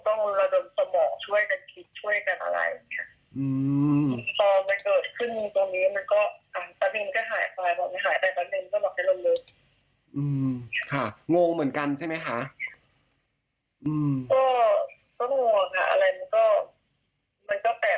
ก็งงว่าค่ะอะไรมันก็มันก็แปลกไปหมดค่ะ